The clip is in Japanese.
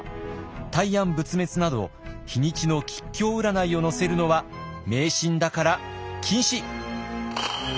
大安仏滅など日にちの吉凶占いを載せるのは迷信だから禁止。